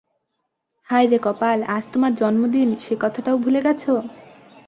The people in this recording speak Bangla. হায় রে কপাল, আজ তোমার জন্মদিন, সে কথাটাও ভুলে গেছ?